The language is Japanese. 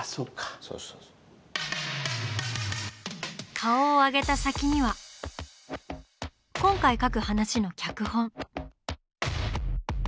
顔を上げた先には今回描く話の脚本。